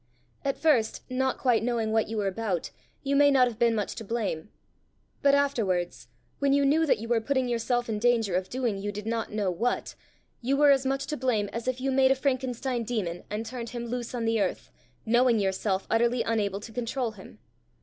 At first, not quite knowing what you were about, you may not have been much to blame; but afterwards, when you knew that you were putting yourself in danger of doing you did not know what, you were as much to blame as if you made a Frankenstein demon, and turned him loose on the earth, knowing yourself utterly unable to control him."